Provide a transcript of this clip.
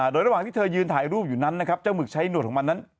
โดยระหว่างที่เธอยืนถ่ายรูปอยู่นั้นนะครับเจ้าหึกใช้หนวดของมันนั้น